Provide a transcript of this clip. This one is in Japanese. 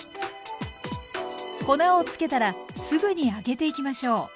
粉をつけたらすぐに揚げていきましょう。